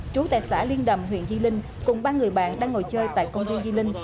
trú tại xã liên đầm huyện di linh cùng ba người bạn đang ngồi chơi tại công viên di linh